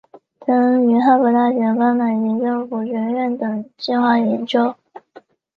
曾于哈佛大学甘乃迪政府学院等计画研究。